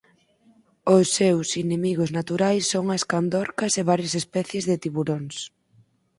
O seus inimigos naturais son as candorcas e varias especies de tiburóns.